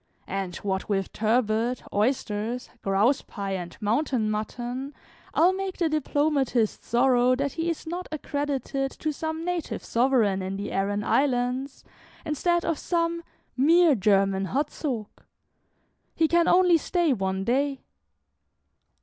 And what with turbot, oysters, grouse pie, and mountain mutton, I 'll make the diplomatist sorrow that he is not accredited to some native sovereign in the Arran islands, instead of some 'mere German Hertzog.' He can only stay one day."